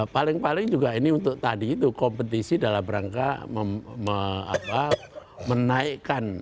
paling paling juga ini untuk tadi itu kompetisi dalam rangka menaikkan